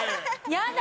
「やだ！」